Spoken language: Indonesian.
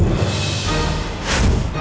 itu pasti siluman lelang hijau nya